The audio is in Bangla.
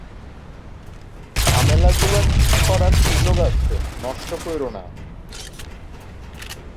যার জন্য তিনি বর্তমানে অনুবাদ এবং নির্দেশ পরবর্তী দফা সরাসরি কাজ করেন।